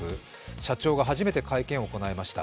社長が初めて会見を行いました。